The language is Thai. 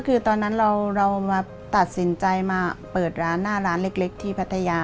คือตอนนั้นเรามาตัดสินใจมาเปิดร้านหน้าร้านเล็กที่พัทยา